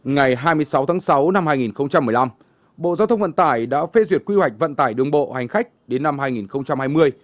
ngày hai mươi sáu tháng sáu năm hai nghìn một mươi năm bộ giao thông vận tải đã phê duyệt quy hoạch vận tải đường bộ hành khách đến năm hai nghìn hai mươi